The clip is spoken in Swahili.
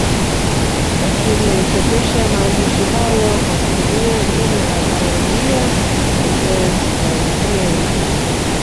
Lakini alichapisha maandishi hayo kwa kutumia jina la bandia Andrzej Jawien